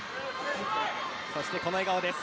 そして、この笑顔です。